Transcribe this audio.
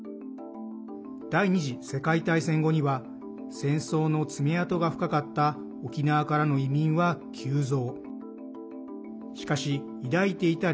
第２次世界大戦後には戦争の爪痕が深かった沖縄からの移民は急増。